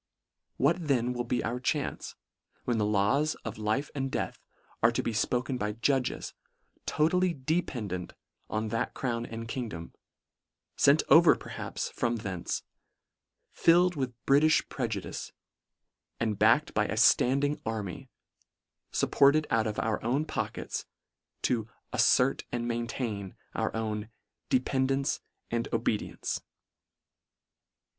What then will be our chance, when the laws of life and death, are to be fpoken by judges, totally dependant on that crown and king dom — fent over, perhaps, from thence — filled with British prejudice — and backed by a Standing army, fupported out of our own pockets, to " aSfert and maintain" our own " dependance and obedience M 2 92 LETTER IX.